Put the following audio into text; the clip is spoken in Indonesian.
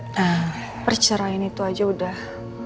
nah perceraian itu aja udah